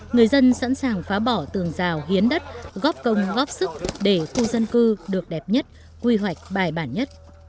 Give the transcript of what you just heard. người dân sẵn sàng phá bỏ tường rào hiến đất góp công góp sức để khu dân cư được đẹp nhất quy hoạch bài bản nhất